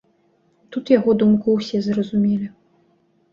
Тут яго думку ўсе зразумелі.